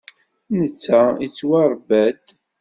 Netta yettwaṛebba-d.